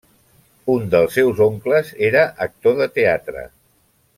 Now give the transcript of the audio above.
Un dels seus oncles era actor de teatre.